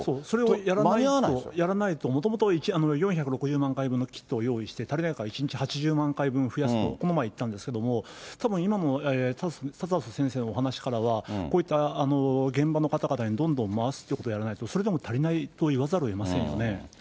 それをやらないと、もともと４６０万回分のキットを用意して、足りないから１日８０万回分増やすと、この前言ったんですけれども、たぶん、今も田里先生のお話からは、こういった現場の方々にどんどん回すということをやらないと、それでも足りないと言わざるをえませんよね。